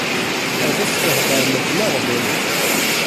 Ad s-tehder mebla aɣbel.